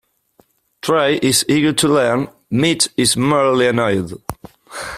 Trey is eager to learn, Mitch is merely annoyed.